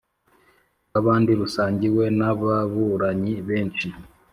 Rw abandi rusangiwe n ababuranyi benshi